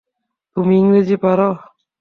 তুমি ইংরেজি পারো?